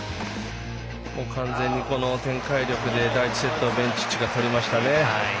完全にこの展開力で第１セットはベンチッチが取りましたね。